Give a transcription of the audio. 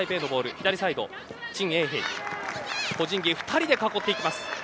２人で囲っていきます。